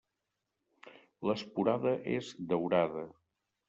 L'esporada és daurada.